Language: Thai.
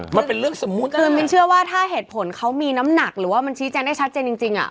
มันเป็นเรื่องสมมุติคือมินเชื่อว่าถ้าเหตุผลเขามีน้ำหนักหรือว่ามันชี้แจงได้ชัดเจนจริงจริงอ่ะ